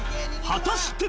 果たして？